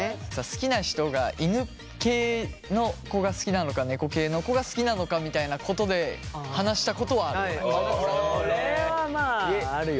好きな人が犬系の子が好きなのか猫系の子が好きなのかみたいなことで話したことはある。